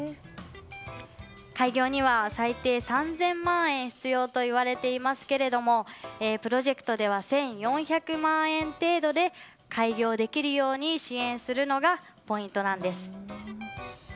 開業には最低３０００万円必要といわれていますがプロジェクトでは１４００万円程度で開業できるように支援するのがポイントなんです。